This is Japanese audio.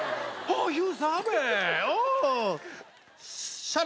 おい。